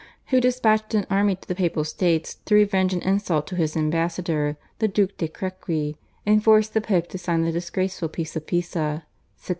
who despatched an army to the Papal States to revenge an insult to his ambassador, the Duc de Crequi, and forced the Pope to sign the disgraceful Peace of Pisa (1664).